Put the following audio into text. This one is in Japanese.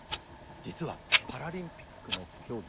実はパラリンピックの競技